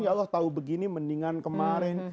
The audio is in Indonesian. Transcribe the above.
ya allah tahu begini mendingan kemarin